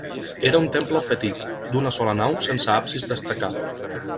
Era un temple petit, d'una sola nau sense absis destacat.